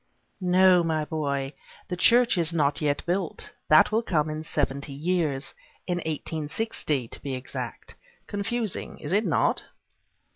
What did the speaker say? "No, my boy. The church is not yet built. That will come in seventy years. In eighteen sixty, to be exact. Confusing, is it not?"